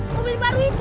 mobil baru itu